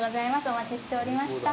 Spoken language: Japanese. お待ちしておりました。